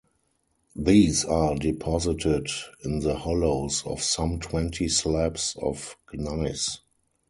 These are deposited in the hollows of some twenty slabs of gneiss.